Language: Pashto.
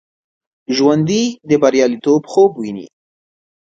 ژوندي د بریالیتوب خوب ویني